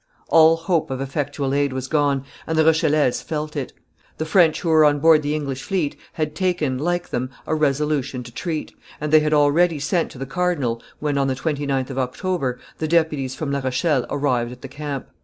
All hope of effectual aid was gone, and the Rochellese felt it; the French who were on board the English fleet had taken, like them, a resolution to treat; and they had already sent to the cardinal when, on the 29th of October, the deputies from La Rochelle arrived at the camp.